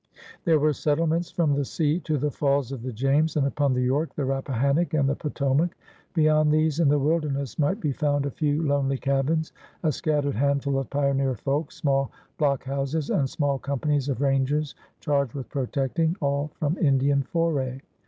There were settlements from the sea to the Falls of the James, and upon the York, the Rappa hannock, and the Potomac. Beyond these, in the wilderness, might be foimd a few lonely cabins, a scattered handful of pioneer folk, small block houses, and small companies of rangers charged with protecting all from Indian foray.